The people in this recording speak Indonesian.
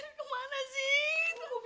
ini yang harus diberikan mak